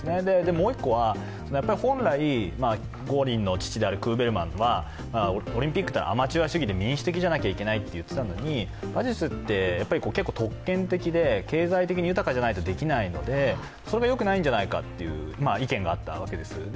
もう１個は本来、五輪の父であるクーベルマンはオリンピックというのはアマチュア主義で民主的じゃなきゃいけないと言っていたのに馬術って結構、特権的で、経済的に豊かでないとできないのでそれがよくないんじゃないという意見があったわけです。